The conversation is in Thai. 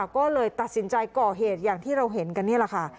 ก็เลยตัดสินใจก่อเหตุอย่างที่เราเห็นกันนี่แหละค่ะ